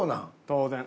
当然。